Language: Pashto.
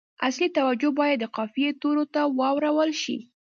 اصلي توجه باید د قافیې تورو ته واړول شي.